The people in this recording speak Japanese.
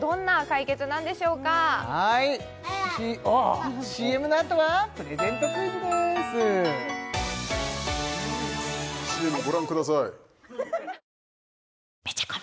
どんな解決なんでしょうかはいアア ＣＭ のあとはプレゼントクイズです焼肉うまっ